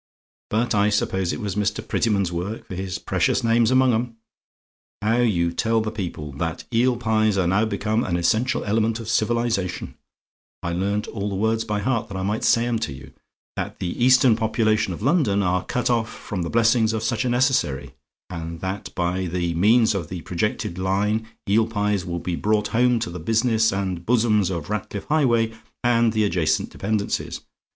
But I suppose it was Mr. Prettyman's work; for his precious name's among 'em. How you tell the people 'that eel pies are now become an essential element of civilisation' I learnt all the words by heart, that I might say 'em to you 'that the Eastern population of London are cut off from the blessings of such a necessary and that by means of the projected line eel pies will be brought home to the business and bosoms of Ratcliff Highway and the adjacent dependencies.'